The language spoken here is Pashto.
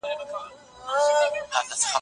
زه د تکړښت لپاره تللي دي.